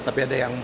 tapi ada yang